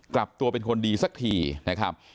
กลับตัวเป็นคนดีสักทีนะครับ